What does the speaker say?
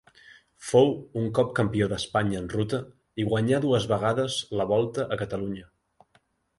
Fou un cop campió d'Espanya en ruta i guanyà dues vegades la Volta a Catalunya.